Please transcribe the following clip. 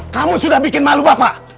kamu sudah bikin malu bapak